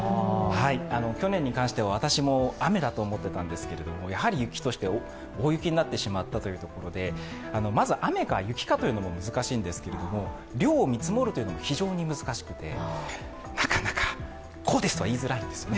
去年に関しては私も雨だと思っていたんですけれども、やはり雪として、大雪になってしまったというところで、まず雨か雪かというのも難しいんですけども、量を見積もりというのが非常に難しくてなかなか、こうですとは言いづらいんですね。